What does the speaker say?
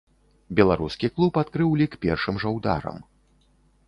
Беларускі клуб адкрыў лік першым жа ударам.